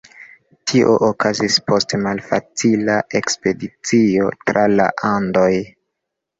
Tio okazis post malfacila ekspedicio tra la Andoj.